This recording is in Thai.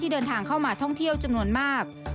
เดินทางเข้ามาท่องเที่ยวจำนวนมาก